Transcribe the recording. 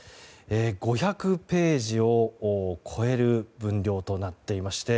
５００ページを超える分量となっていまして